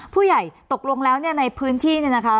ผู้ใหญ่ตกลงแล้วเนี่ยในพื้นที่เนี่ยนะคะ